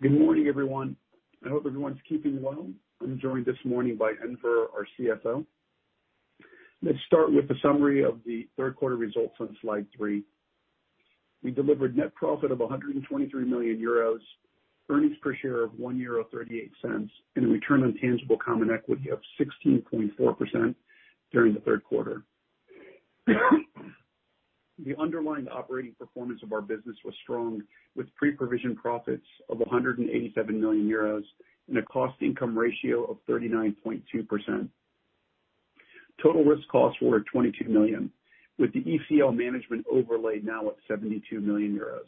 Good morning, everyone. I hope everyone's keeping well. I'm joined this morning by Enver, our CFO. Let's start with the summary of the Q3 results on slide three. We delivered net profit of 123 million euros, earnings per share of 1.38 euro, and a return on tangible common equity of 16.4% during the third quarter. The underlying operating performance of our business was strong, with pre-provision profits of 187 million euros and a cost income ratio of 39.2%. Total risk costs were at 22 million, with the ECL management overlay now at 72 million euros.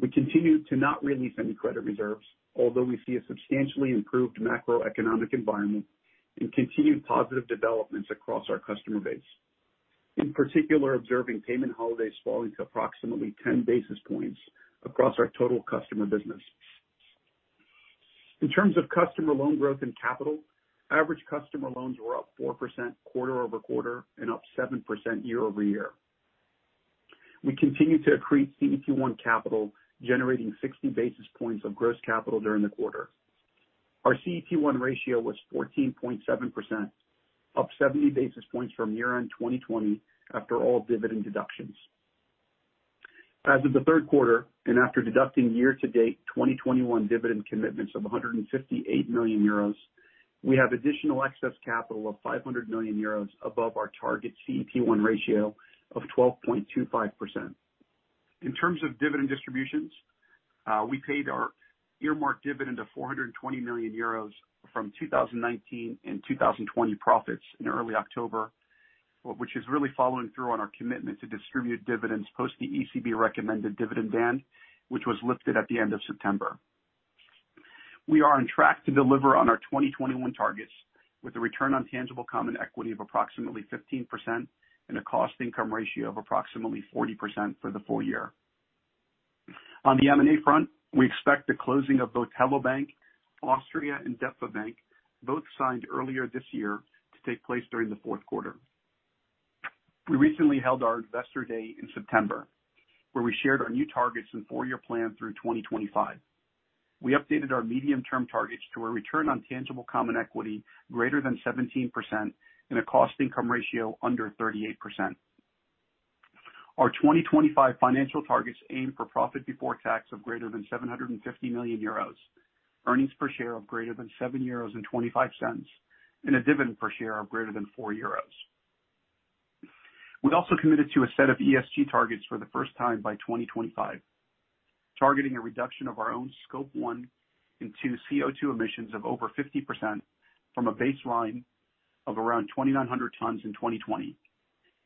We continue to not release any credit reserves, although we see a substantially improved macroeconomic environment and continued positive developments across our customer base. In particular, observing payment holidays falling to approximately 10 basis points across our total customer business. In terms of customer loan growth and capital, average customer loans were up 4% QoQ and up 7% YoY. We continue to accrete CET1 capital, generating 60 basis points of gross capital during the quarter. Our CET1 ratio was 14.7%, up 70 basis points from year-end 2020 after all dividend deductions. As of the third quarter, after deducting year-to-date 2021 dividend commitments of 158 million euros, we have additional excess capital of 500 million euros above our target CET1 ratio of 12.25%. In terms of dividend distributions, we paid our earmarked dividend of 420 million euros from 2019 and 2020 profits in early October, which is really following through on our commitment to distribute dividends post the ECB recommended dividend ban, which was lifted at the end of September. We are on track to deliver on our 2021 targets with a return on tangible common equity of approximately 15% and a cost income ratio of approximately 40% for the full year. On the M&A front, we expect the closing of both Hello bank! Austria and DEPFA BANK plc, both signed earlier this year to take place during the fourth quarter. We recently held our Investor Day in September, where we shared our new targets and four-year plan through 2025. We updated our medium-term targets to a return on tangible common equity greater than 17% and a cost income ratio under 38%. Our 2025 financial targets aim for profit before tax of greater than 750 million euros, earnings per share of greater than 7.25 euros, and a dividend per share of greater than 4 euros. We also committed to a set of ESG targets for the first time by 2025, targeting a reduction of our own Scope 1 and 2 CO2 emissions of over 50% from a baseline of around 2,900 tons in 2020.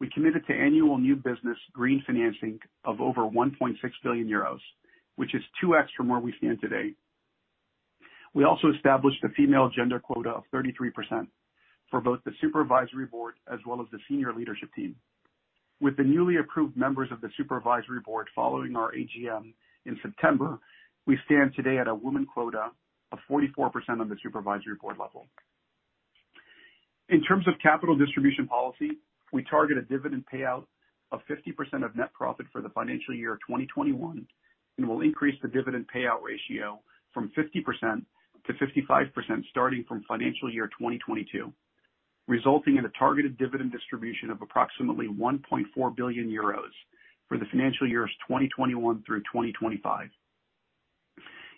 We committed to annual new business green financing of over 1.6 billion euros, which is 2x from where we stand today. We also established a female gender quota of 33% for both the supervisory board as well as the senior leadership team. With the newly approved members of the supervisory board following our AGM in September, we stand today at a woman quota of 44% on the supervisory board level. In terms of capital distribution policy, we target a dividend payout of 50% of net profit for the financial year of 2021 and will increase the dividend payout ratio from 50% to 55% starting from financial year 2022, resulting in a targeted dividend distribution of approximately 1.4 billion euros for the financial years 2021 through 2025.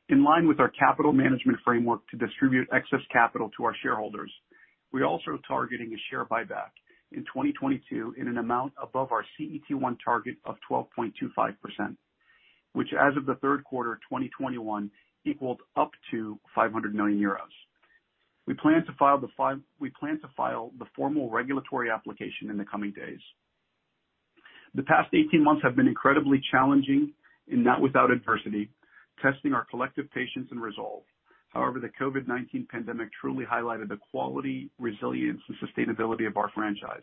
In line with our capital management framework to distribute excess capital to our shareholders, we're also targeting a share buyback in 2022 in an amount above our CET1 target of 12.25%, which as of the third quarter of 2021 equaled up to 500 million euros. We plan to file the formal regulatory application in the coming days. The past 18 months have been incredibly challenging and not without adversity, testing our collective patience and resolve. However, the COVID-19 pandemic truly highlighted the quality, resilience, and sustainability of our franchise.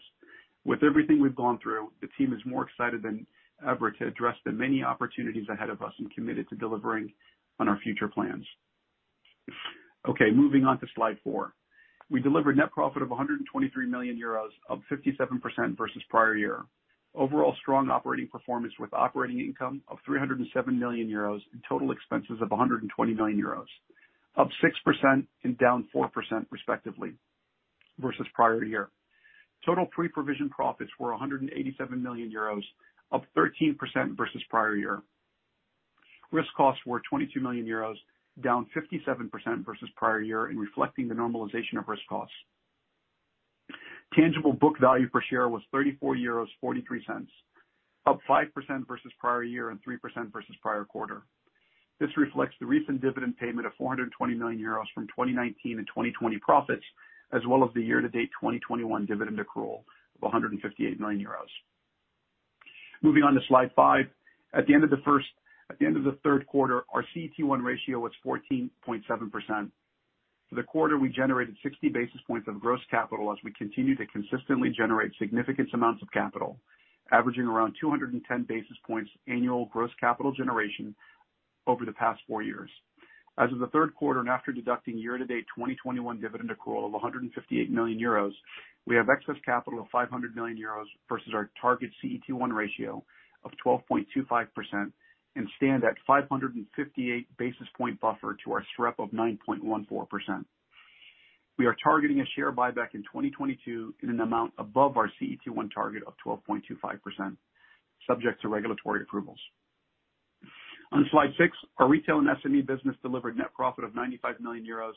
With everything we've gone through, the team is more excited than ever to address the many opportunities ahead of us and committed to delivering on our future plans. Okay, moving on to slide four. We delivered net profit of 123 million euros, up 57% versus prior year. Overall strong operating performance with operating income of 307 million euros and total expenses of 120 million euros, up 6% and down 4% respectively versus prior year. Total pre-provision profits were 187 million euros, up 13% versus prior year. Risk costs were 22 million euros, down 57% versus prior year in reflecting the normalization of risk costs. Tangible book value per share was 34.43 euros, up 5% versus prior year and 3% versus prior quarter. This reflects the recent dividend payment of 420 million euros from 2019 and 2020 profits, as well as the year-to-date 2021 dividend accrual of 158 million euros. Moving on to slide five. At the end of the Q3, our CET1 ratio was 14.7%. For the quarter, we generated 60 basis points of gross capital as we continue to consistently generate significant amounts of capital, averaging around 210 basis points annual gross capital generation over the past four years. As of the Q3, and after deducting year-to-date 2021 dividend accrual of 158 million euros, we have excess capital of 500 million euros versus our target CET1 ratio of 12.25% and stand at 558 basis point buffer to our SREP of 9.14%. We are targeting a share buyback in 2022 in an amount above our CET1 target of 12.25% subject to regulatory approvals. On slide six, our retail and SME business delivered net profit of 95 million euros,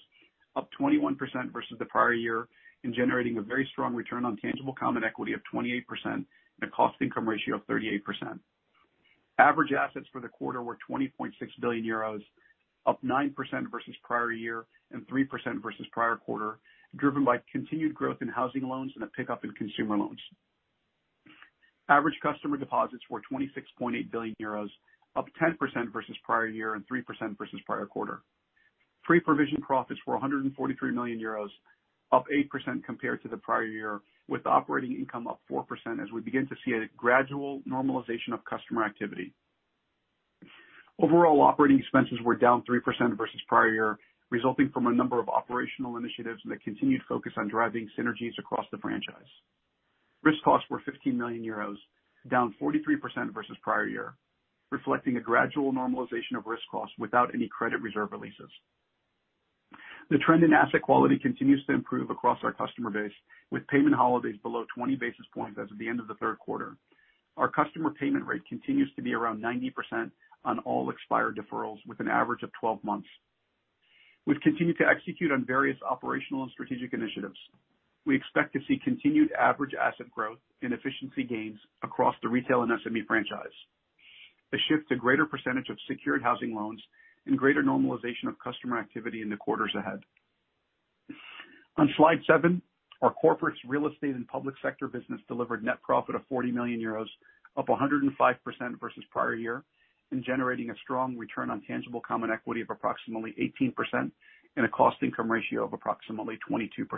up 21% versus the prior year, and generating a very strong return on tangible common equity of 28% and a cost income ratio of 38%. Average assets for the quarter were 20.6 billion euros, up 9% versus prior year, and 3% versus prior quarter, driven by continued growth in housing loans and a pickup in consumer loans. Average customer deposits were 26.8 billion euros, up 10% versus prior year, and 3% versus prior quarter. Pre-provision profits were 143 million euros, up 8% compared to the prior year, with operating income up 4% as we begin to see a gradual normalization of customer activity. Overall operating expenses were down 3% versus prior year, resulting from a number of operational initiatives and a continued focus on driving synergies across the franchise. Risk costs were 15 million euros, down 43% versus prior year, reflecting a gradual normalization of risk costs without any credit reserve releases. The trend in asset quality continues to improve across our customer base, with payment holidays below 20 basis points as of the end of the Q3. Our customer payment rate continues to be around 90% on all expired deferrals with an average of 12 months. We've continued to execute on various operational and strategic initiatives. We expect to see continued average asset growth and efficiency gains across the retail and SME franchise. The shift to greater percentage of secured housing loans and greater normalization of customer activity in the quarters ahead. On slide seven, our corporates, real estate, and public sector business delivered net profit of 40 million euros, up 105% versus prior year, and generating a strong return on tangible common equity of approximately 18% and a cost income ratio of approximately 22%.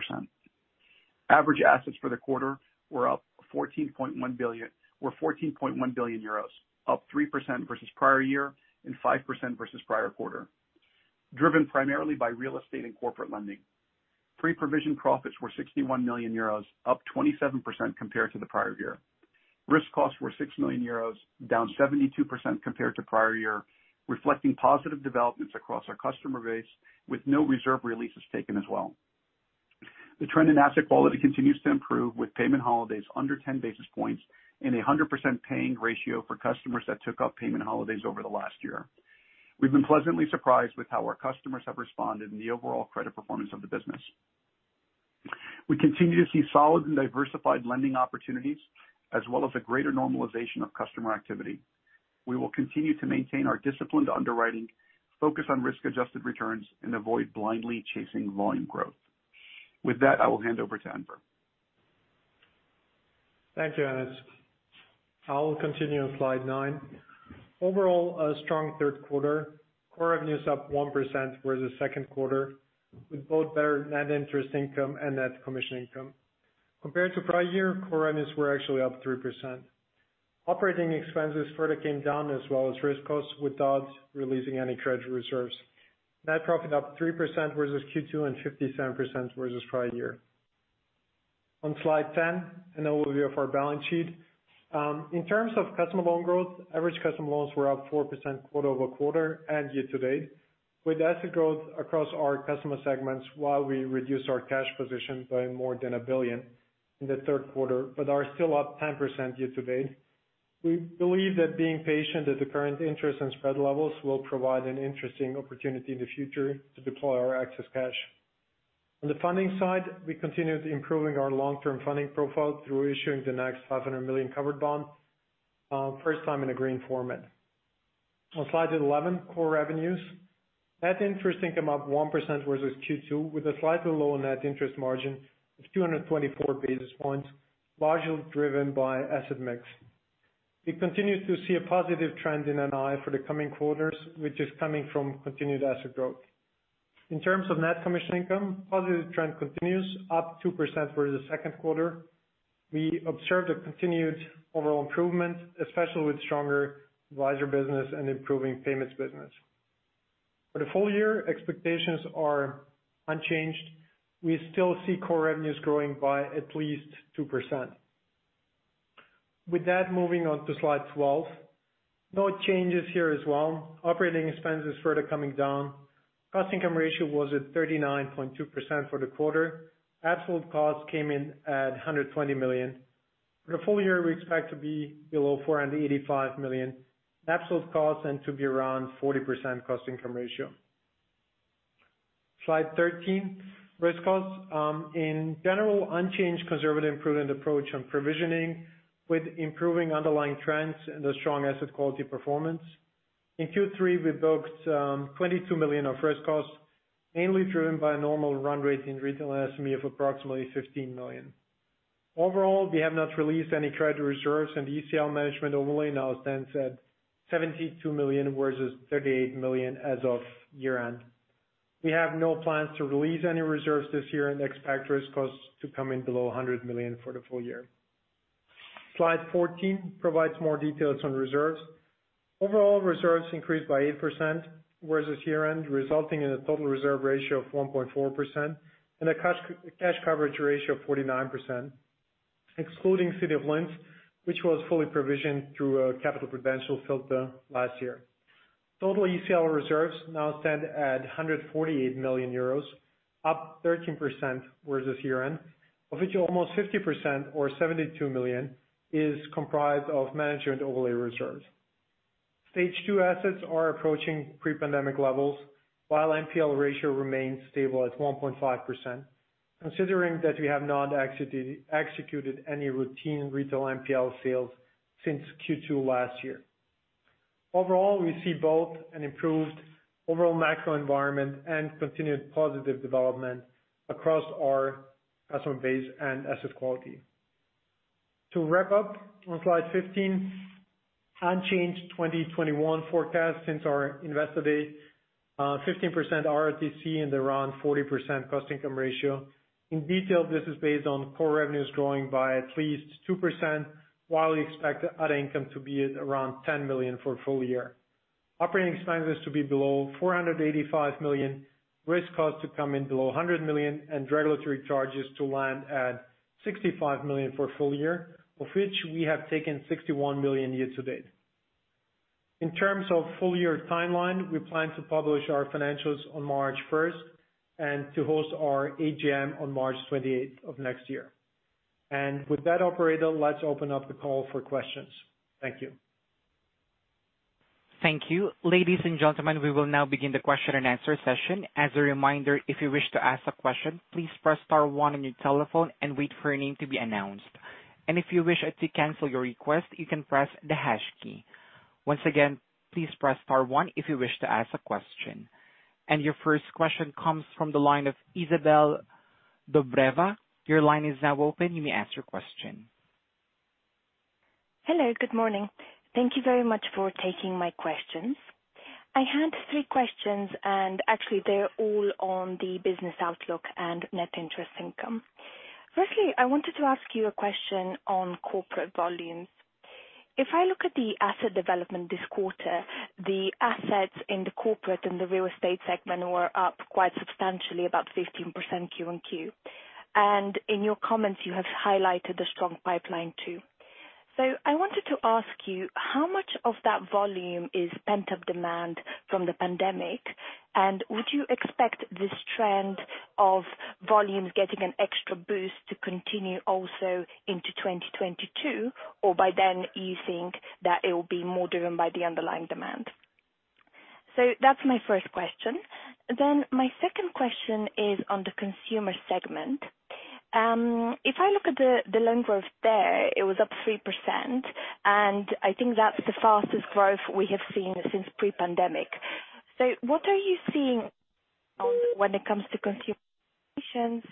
Average assets for the quarter were 14.1 billion, up 3% versus prior year and 5% versus prior quarter, driven primarily by real estate and corporate lending. Pre-provision profits were 61 million euros, up 27% compared to the prior year. Risk costs were 6 million euros, down 72% compared to prior year, reflecting positive developments across our customer base with no reserve releases taken as well. The trend in asset quality continues to improve with payment holidays under 10 basis points and 100% paying ratio for customers that took up payment holidays over the last year. We've been pleasantly surprised with how our customers have responded and the overall credit performance of the business. We continue to see solid and diversified lending opportunities as well as a greater normalization of customer activity. We will continue to maintain our disciplined underwriting, focus on risk-adjusted returns, and avoid blindly chasing volume growth. With that, I will hand over to Enver Siručić. Thank you, Anas. I will continue on slide 9. Overall, a strong third quarter. Core revenues up 1% for the second quarter, with both better net interest income and net commission income. Compared to prior year, core revenues were actually up 3%. Operating expenses further came down as well as risk costs without releasing any treasury reserves. Net profit up 3% versus Q2 and 57% versus prior year. On slide 10, an overview of our balance sheet. In terms of customer loan growth, average customer loans were up 4% quarter-over-quarter and year to date, with asset growth across our customer segments while we reduced our cash position by more than 1 billion in the Q3, but are still up 10% year to date. We believe that being patient at the current interest and spread levels will provide an interesting opportunity in the future to deploy our excess cash. On the funding side, we continue to improving our long-term funding profile through issuing the next 500 million covered bond, first time in a green format. On slide 11, core revenues. Net interest income up 1% versus Q2 with a slightly lower net interest margin of 224 basis points, largely driven by asset mix. We continue to see a positive trend in NI for the coming quarters, which is coming from continued asset growth. In terms of net commission income, positive trend continues, up 2% for the Q2. We observed a continued overall improvement, especially with stronger advisor business and improving payments business. For the full year, expectations are unchanged. We still see core revenues growing by at least 2%. With that, moving on to slide 12. No changes here as well. Operating expenses further coming down. Cost income ratio was at 39.2% for the quarter. Absolute costs came in at 120 million. For the full year, we expect to be below 485 million absolute costs and to be around 40% cost income ratio. Slide 13, risk costs. In general, unchanged conservative prudent approach on provisioning with improving underlying trends and a strong asset quality performance. In Q3, we booked 22 million of risk costs, mainly driven by normal run rate in retail and SME of approximately 15 million. Overall, we have not released any credit reserves and the ECL management overlay now stands at 72 million versus 38 million as of year-end. We have no plans to release any reserves this year and expect risk costs to come in below 100 million for the full year. Slide 14 provides more details on reserves. Overall reserves increased by 8% versus year-end, resulting in a total reserve ratio of 1.4% and a cash coverage ratio of 49%. Excluding City of Linz, which was fully provisioned through a capital prudential filter last year, total ECL reserves now stand at 148 million euros, up 13% versus year-end, of which almost 50% or 72 million is comprised of management overlay reserves. Stage two assets are approaching pre-pandemic levels, while NPL ratio remains stable at 1.5%, considering that we have not executed any routine retail NPL sales since Q2 last year. Overall, we see both an improved overall macro environment and continued positive development across our customer base and asset quality. To wrap up, on slide 15, unchanged 2021 forecast since our Investor Day, 15% ROTCE and around 40% cost income ratio. In detail, this is based on core revenues growing by at least 2%, while we expect other income to be at around 10 million for a full year. Operating expenses to be below 485 million, risk costs to come in below 100 million and regulatory charges to land at 65 million for a full year, of which we have taken 61 million year to date. In terms of full year timeline, we plan to publish our financials on March 1 and to host our AGM on March 28 of next year. With that, operator, let's open up the call for questions. Thank you. Thank you. Ladies and gentlemen, we will now begin the question and answer session. As a reminder, if you wish to ask a question, please press star one on your telephone and wait for your name to be announced. If you wish to cancel your request, you can press the hash key. Once again, please press star one if you wish to ask a question. Your first question comes from the line of Isabelle Dobrova. Your line is now open. You may ask your question. Hello, good morning. Thank you very much for taking my questions. I had three questions, and actually they're all on the business outlook and net interest income. Firstly, I wanted to ask you a question on corporate volumes. If I look at the asset development this quarter, the assets in the corporate and the real estate segment were up quite substantially, about 15% QoQ. In your comments, you have highlighted the strong pipeline too. I wanted to ask you how much of that volume is pent-up demand from the pandemic, and would you expect this trend of volumes getting an extra boost to continue also into 2022, or by then you think that it will be more driven by the underlying demand? That's my first question. My second question is on the consumer segment. If I look at the loan growth there, it was up 3%, and I think that's the fastest growth we have seen since pre-pandemic. What are you seeing when it comes to consumer patience,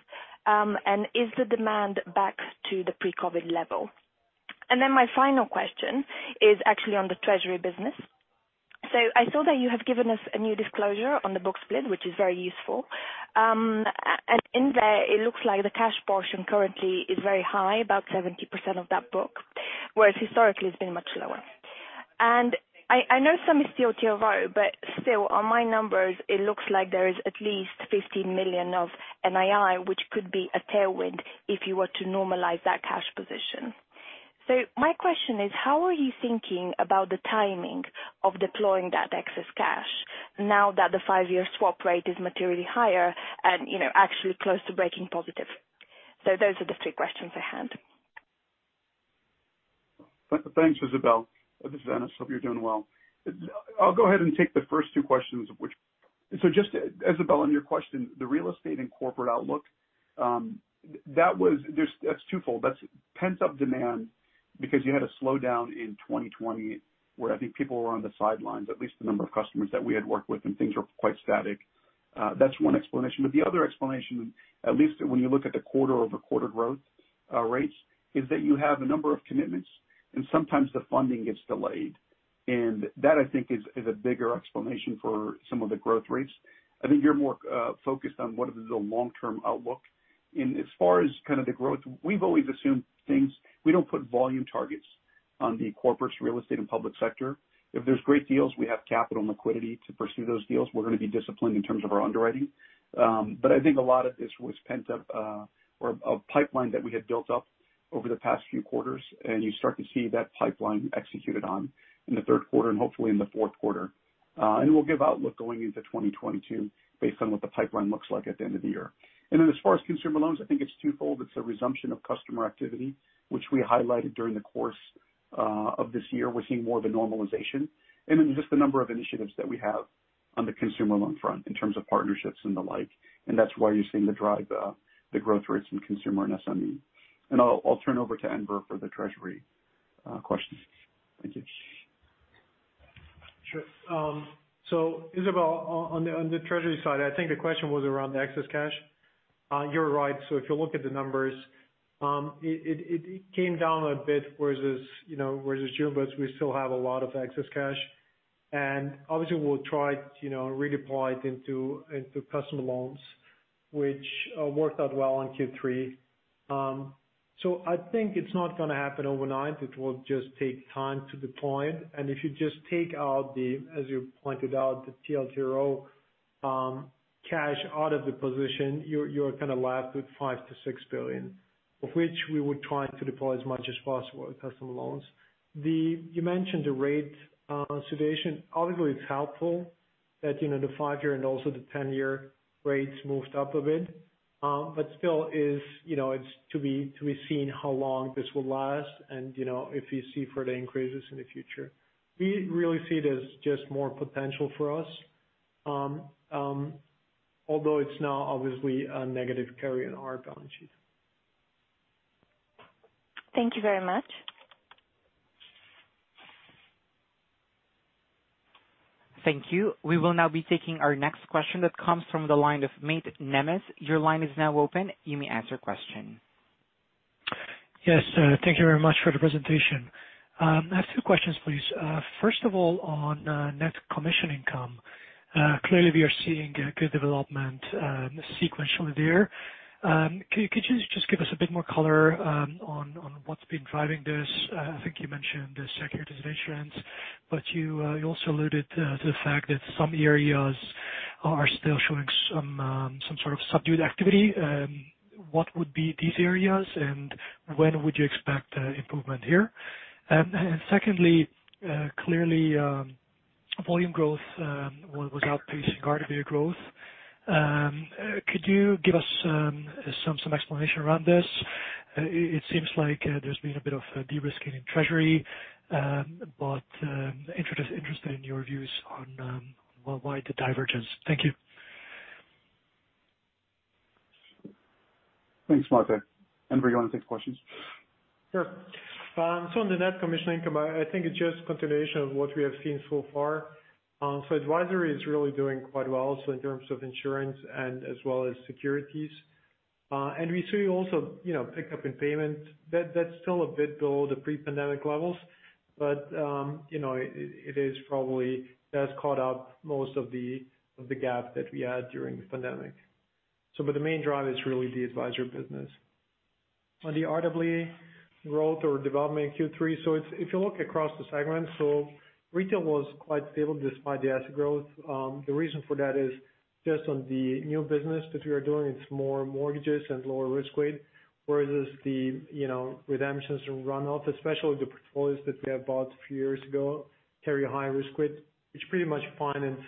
and is the demand back to the pre-COVID level? My final question is actually on the treasury business. I saw that you have given us a new disclosure on the book split, which is very useful. In there, it looks like the cash portion currently is very high, about 70% of that book, whereas historically it's been much lower. I know some is still TLTRO, but still on my numbers, it looks like there is at least 15 million of NII, which could be a tailwind if you were to normalize that cash position. My question is, how are you thinking about the timing of deploying that excess cash now that the five-year swap rate is materially higher and, you know, actually close to breaking positive? Those are the three questions I had. Thanks, Isabelle. This is Anas. Hope you're doing well. I'll go ahead and take the first two questions. Just, Isabelle, on your question, the real estate and corporate outlook, that was twofold. That's pent-up demand because you had a slowdown in 2020 where I think people were on the sidelines, at least the number of customers that we had worked with, and things were quite static. That's one explanation. The other explanation, at least when you look at the quarter-over-quarter growth rates, is that you have a number of commitments and sometimes the funding gets delayed. That, I think, is a bigger explanation for some of the growth rates. I think you're more focused on what is the long-term outlook. As far as kind of the growth, we've always assumed things. We don't put volume targets on the corporates, real estate, and public sector. If there's great deals, we have capital and liquidity to pursue those deals. We're gonna be disciplined in terms of our underwriting. I think a lot of this was pent up, or a pipeline that we had built up over the past few quarters, and you start to see that pipeline executed on in the Q3 and hopefully in the Q4. We'll give outlook going into 2022 based on what the pipeline looks like at the end of the year. As far as consumer loans, I think it's twofold. It's a resumption of customer activity, which we highlighted during the course of this year. We're seeing more of a normalization. Just the number of initiatives that we have on the consumer loan front in terms of partnerships and the like, and that's why you're seeing the drive, the growth rates in consumer and SME. I'll turn over to Enver for the treasury questions. Thank you. Sure. Isabelle, on the treasury side, I think the question was around the excess cash. You're right. If you look at the numbers, it came down a bit versus June, but we still have a lot of excess cash. Obviously, we'll try to redeploy it into customer loans, which worked out well in Q3. I think it's not gonna happen overnight. It will just take time to deploy it. If you just take out, as you pointed out, the TLTRO cash out of the position, you're gonna land with 5 to 6 billion, of which we would try to deploy as much as possible with customer loans. You mentioned the rate situation. Obviously, it's helpful that, you know, the five-year and also the 10-year rates moved up a bit, but still, it's to be seen how long this will last and, you know, if you see further increases in the future. We really see it as just more potential for us. Although it's now obviously a negative carry on our balance sheet. Thank you very much. Thank you. We will now be taking our next question that comes from the line of Máté Nemes. Your line is now open. You may ask your question. Yes, thank you very much for the presentation. I have two questions, please. First of all, on net commission income. Clearly we are seeing a good development sequentially there. Could you just give us a bit more color on what's been driving this? I think you mentioned the securitization trends, but you also alluded to the fact that some areas are still showing some sort of subdued activity. What would be these areas and when would you expect improvement here? Secondly, clearly volume growth was outpacing RWA growth. Could you give us some explanation around this? It seems like there's been a bit of a de-risking in treasury, but interested in your views on why the divergence. Thank you. Thanks, Máté. Do you want to take the questions? Sure. On the net commission income, I think it's just continuation of what we have seen so far. Advisory is really doing quite well, so in terms of insurance and as well as securities. We see also, you know, pickup in payments. That's still a bit below the pre-pandemic levels. It is probably has caught up most of the gap that we had during the pandemic. The main driver is really the advisory business. On the RWA growth or development in Q3, if you look across the segments, retail was quite stable despite the asset growth. The reason for that is just on the new business that we are doing, it's more mortgages and lower risk weight. Whereas the, you know, redemptions runoff, especially the portfolios that we have bought a few years ago, carry a high risk weight, which pretty much finance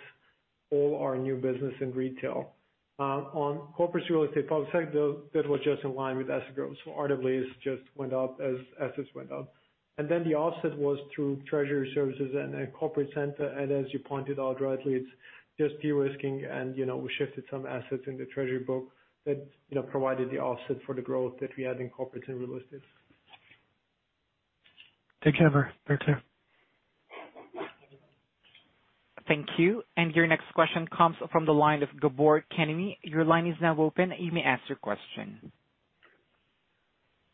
all our new business in retail. On corporates real estate public sector, that was just in line with asset growth. RWAs just went up as assets went up. The offset was through treasury services and then corporate center. As you pointed out rightly, it's just de-risking and, you know, we shifted some assets in the treasury book that, you know, provided the offset for the growth that we had in corporates and real estates. Thank you. Very clear. Thank you. Your next question comes from the line of Gábor Kemény. Your line is now open. You may ask your question.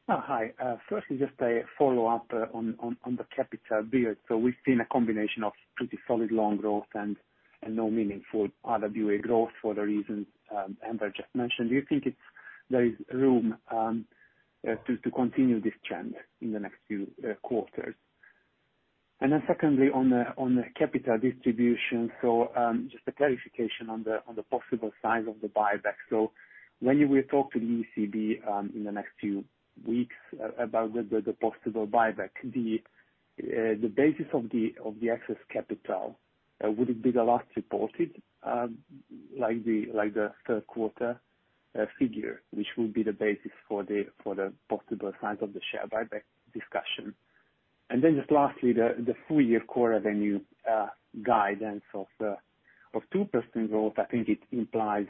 Oh, hi. Firstly, just a follow-up on the capital build. We've seen a combination of pretty solid loan growth and no meaningful RWA growth for the reasons Enver just mentioned. Do you think there is room to continue this trend in the next few quarters? Secondly, on the capital distribution. Just a clarification on the possible size of the buyback. When you will talk to the ECB in the next few weeks about the possible buyback, the basis of the excess capital would it be the last reported like the Q3 figure, which would be the basis for the possible size of the share buyback discussion? Just lastly, the full year core revenue of 2% growth, I think it implies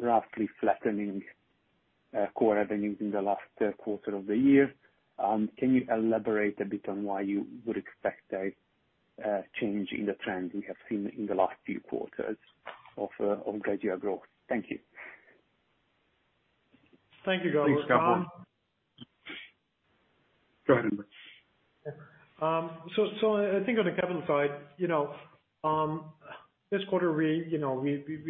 roughly flattening core revenues in the last quarter of the year. Can you elaborate a bit on why you would expect a change in the trend we have seen in the last few quarters of gradual growth? Thank you. Thank you, Gabor. Thanks, Gabor. Go ahead. I think on the capital side, you know, this quarter, we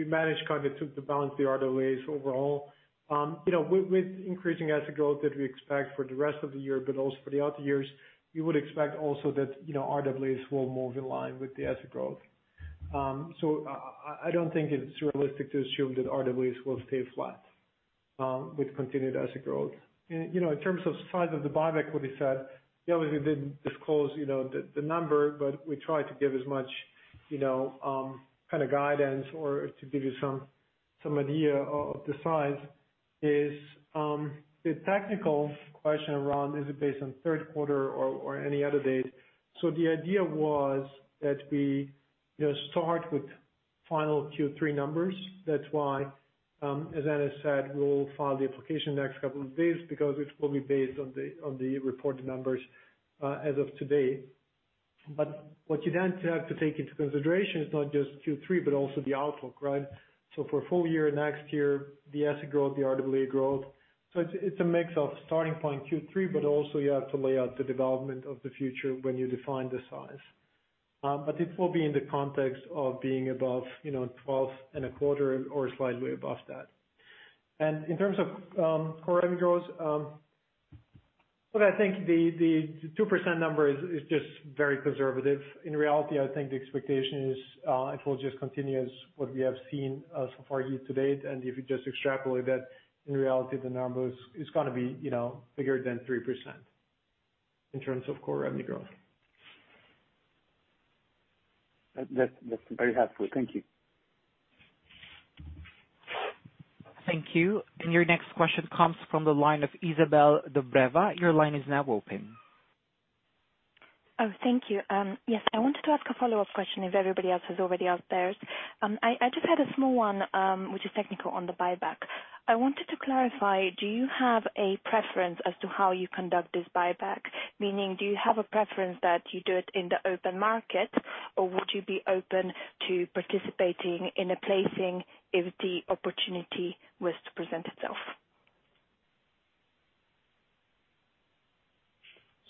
managed kind of to balance the RWAs overall. You know, with increasing asset growth that we expect for the rest of the year, but also for the out years, you would expect also that, you know, RWAs will move in line with the asset growth. I don't think it's realistic to assume that RWAs will stay flat, with continued asset growth. You know, in terms of size of the buyback, what we said, we obviously didn't disclose, you know, the number, but we try to give as much, you know, kind of guidance or to give you some idea of the size, the technical question around is it based on third quarter or any other date. The idea was that we, you know, start with final Q3 numbers. That's why, as Anas said, we'll file the application next couple of days because it will be based on the reported numbers as of today. What you then have to take into consideration is not just Q3, but also the outlook, right? For full year next year, the asset growth, the RWA growth. It's a mix of starting point Q3, but also you have to lay out the development of the future when you define the size. It will be in the context of being above, you know, 12.25% or slightly above that. In terms of core revenue growth, look, I think the 2% number is just very conservative. In reality, I think the expectation is, it will just continue as what we have seen, so far year to date. If you just extrapolate that, in reality, the number is gonna be, you know, bigger than 3% in terms of core revenue growth. That's very helpful. Thank you. Thank you. Your next question comes from the line of Isabelle Dobrova. Your line is now open. Oh, thank you. Yes. I wanted to ask a follow-up question if everybody else has already asked theirs. I just had a small one, which is technical on the buyback. I wanted to clarify, do you have a preference as to how you conduct this buyback? Meaning, do you have a preference that you do it in the open market, or would you be open to participating in a placing if the opportunity was to present itself?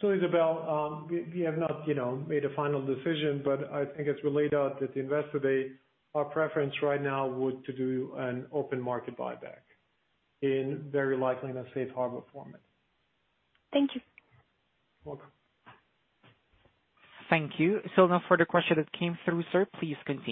Isabelle, we have not, you know, made a final decision, but I think as we laid out at Investor Day, our preference right now would to do an open market buyback in very likely in a safe harbor format. Thank you. Welcome. Thank you. No further question that came through, sir. Please continue.